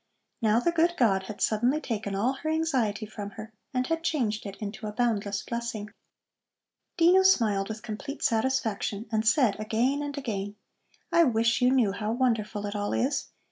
Now the good God had suddenly taken all her anxiety from her and had changed it into a boundless blessing. Dino smiled with complete satisfaction, and said again and again: "I wish you knew how wonderful it all is.